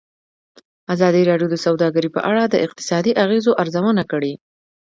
ازادي راډیو د سوداګري په اړه د اقتصادي اغېزو ارزونه کړې.